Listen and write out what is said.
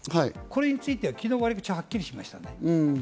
これについて昨日わりとはっきりしました。